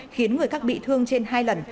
khiến người khác bị thương trên hai lần